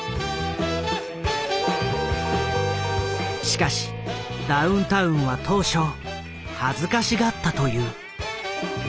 しかしダウンタウンは当初恥ずかしがったという。